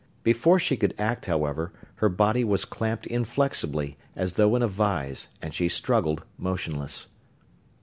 Before she could act, however, her body was clamped inflexibly, as though in a vise, and she struggled, motionless.